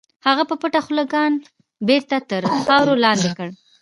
هغه په پټه خوله کان بېرته تر خاورو لاندې کړ.